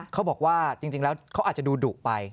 เขาบอกว่าจริงแล้วเขาอาจจะดูดุไป